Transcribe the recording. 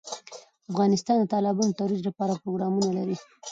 افغانستان د تالابونه د ترویج لپاره پروګرامونه لري.